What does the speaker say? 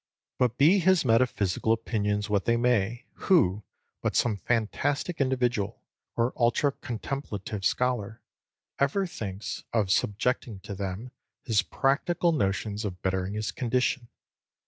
But be his metaphysical opinions what they may, who but some fantastic individual, or ultra contemplative scholar, ever thinks of subjecting to them his practical notions of bettering his condition!